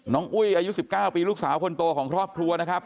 อุ้ยอายุ๑๙ปีลูกสาวคนโตของครอบครัวนะครับ